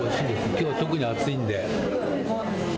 きょう特に暑いんで。